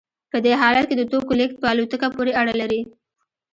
په دې حالت کې د توکو لیږد په الوتکه پورې اړه لري